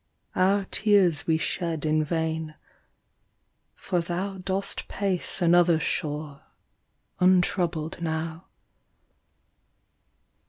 Our tears we shed In vain, for thou Dost pace another shore, I 'ntroubled now.